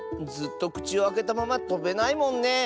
ずっとくちをあけたままとべないもんね。